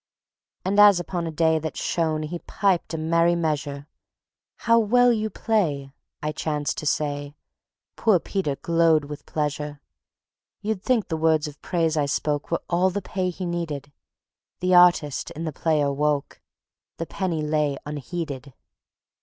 And as upon a day that shone He piped a merry measure: "How well you play!" I chanced to say; Poor Peter glowed with pleasure. You'd think the words of praise I spoke Were all the pay he needed; The artist in the player woke, The penny lay unheeded.